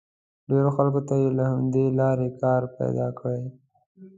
ډېرو خلکو ته یې له همدې لارې کار پیدا کړی.